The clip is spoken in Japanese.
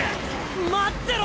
待ってろ！